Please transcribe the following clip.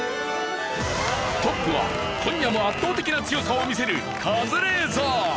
トップは今夜も圧倒的な強さを見せるカズレーザー。